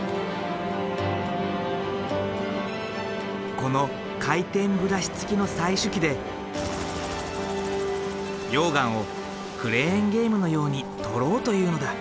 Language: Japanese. この回転ブラシつきの採取機で溶岩をクレーンゲームのように採ろうというのだ。